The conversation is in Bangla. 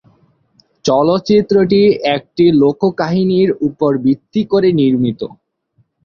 চলচ্চিত্রটি একটি লোক কাহিনীর উপর ভিত্তি করে নির্মিত।